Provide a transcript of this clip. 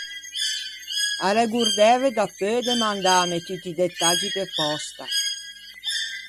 Arregordæve dapeu de mandâme tutti i detaggi pe pòsta.